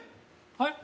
はい？